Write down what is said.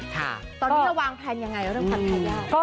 ตอนนี้วางแพลนอย่างไร